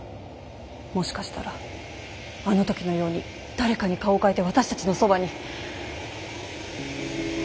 もしかしたらあの時のように誰かに顔を変えて私たちのそばに。